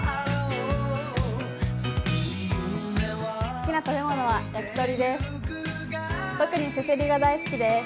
好きな食べ物は焼き鳥です。